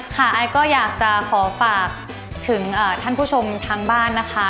ไอซ์ก็อยากจะขอฝากถึงท่านผู้ชมทางบ้านนะคะ